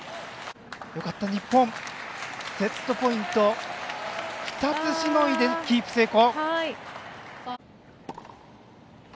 日本、セットポイント２つしのいでキープ成功。